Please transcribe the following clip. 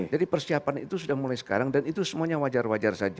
jadi persiapan itu sudah mulai sekarang dan itu semuanya wajar wajar saja